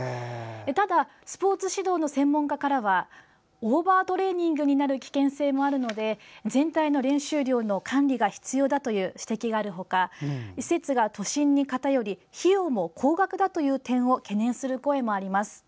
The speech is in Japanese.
ただスポーツ指導の専門家からはオーバートレーニングになる危険性もあるので全体の練習量の管理が必要だという指摘がある他施設が都心に偏り費用も高額だという点を懸念する声もあります。